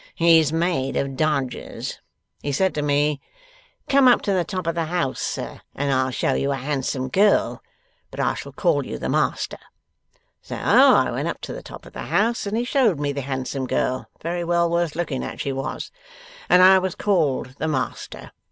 'He's made of dodges. He said to me, "Come up to the top of the house, sir, and I'll show you a handsome girl. But I shall call you the master." So I went up to the top of the house and he showed me the handsome girl (very well worth looking at she was), and I was called the master.